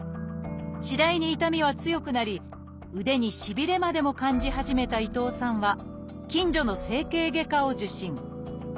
次第に痛みは強くなり腕にしびれまでも感じ始めた伊藤さんは近所の整形外科を受診。